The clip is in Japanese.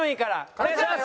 お願いします！